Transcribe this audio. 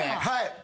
はい。